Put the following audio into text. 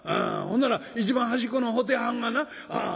ほんなら一番端っこの布袋はんがな